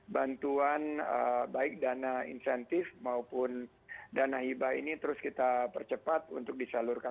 bantuan baik dana insentif maupun dana hibah ini terus kita percepat untuk disalurkan